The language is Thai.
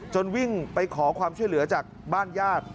วิ่งไปขอความช่วยเหลือจากบ้านญาติ